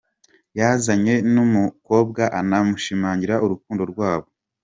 yazanye n’uyu mukobwa anashimangira urukundo rwabo